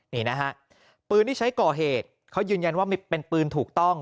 นี่นะฮะปืนที่ใช้ก่อเหตุเขายืนยันว่าเป็นปืนถูกต้อง